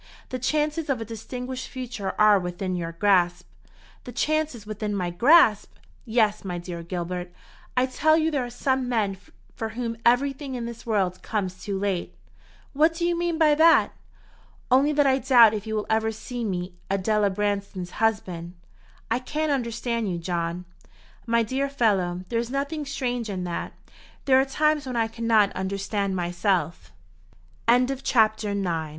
The chances of a distinguished future are within your grasp." "The chances within my grasp! Yes. My dear Gilbert, I tell you there are some men for whom everything in this world comes too late." "What do you mean by that?" "Only that I doubt if you will ever see me Adela Branston's husband." "I can't understand you, John." "My dear fellow, there is nothing strange in that. There are times when I cannot understand myself." CHAPTER X. JACOB NOWELL.